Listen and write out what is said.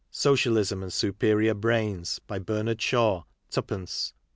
Socialism and Superior Brains. By Bernard Shaw. id.